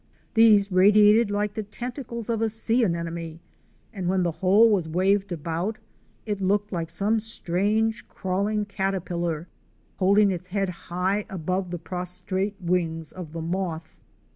These radiated like the tentacles of a sea anemone, and when the whole was waved about, it looked like some strange crawling caterpillar, holding its head high above the prostrate wings of the moth.